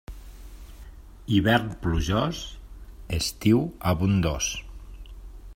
Hivern plujós, estiu abundós.